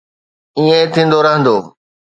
ائين ٿيندو رهندو.